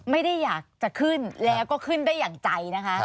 ไม่ได้อยากจะขึ้นแล้วก็ขึ้นได้อย่างใจนะคะ